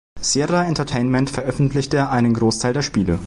Sierra Entertainment veröffentlichte einen Großteil der Spiele.